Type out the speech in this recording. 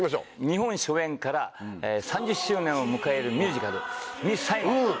日本初演から３０周年を迎えるミュージカル『ミス・サイゴン』。